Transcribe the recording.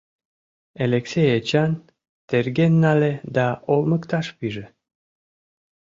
Элексей Эчан терген нале да олмыкташ пиже.